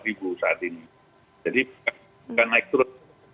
jadi bukan naik turun